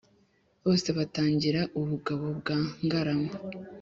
Bose batangarira ubugabo bwa Ngarama.